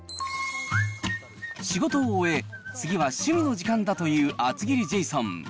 仕事を終え、次は趣味の時間だという厚切りジェイソン。